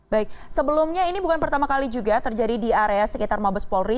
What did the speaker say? baik sebelumnya ini bukan pertama kali juga terjadi di area sekitar mabes polri